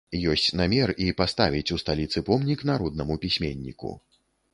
Ёсць намер і паставіць у сталіцы помнік народнаму пісьменніку.